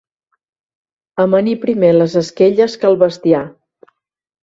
Amanir primer les esquelles que el bestiar.